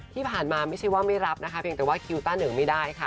ที่ผ่านมาไม่ใช่ว่าไม่รับนะคะเพียงแต่ว่าคิวต้าเหนิงไม่ได้ค่ะ